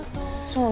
そう？